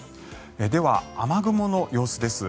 では、雨雲の様子です。